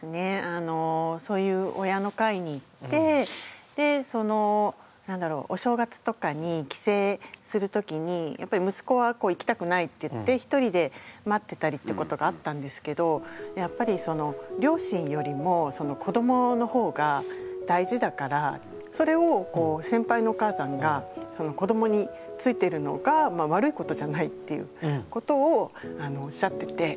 あのそういう親の会に行ってでその何だろうお正月とかに帰省する時にやっぱり息子はこう行きたくないって言って一人で待ってたりってことがあったんですけどやっぱり両親よりも子どものほうが大事だからそれをこう先輩のお母さんが子どもについてるのが悪いことじゃないっていうことをおっしゃってて。